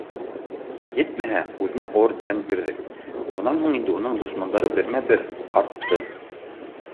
Етмәһә, үҙенә орден бирҙек, бынан һуң инде уның дошмандары бермә-бер арт- I ты